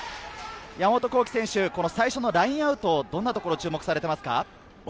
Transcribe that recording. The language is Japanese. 山本幸輝選手、最初のラインアウトはどんなところに注目されていますか？